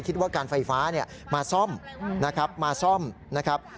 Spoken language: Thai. คิดว่าการไฟฟ้ามาซ่อมนะครับ